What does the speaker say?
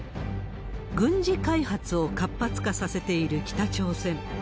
軍事開発を活発化させている北朝鮮。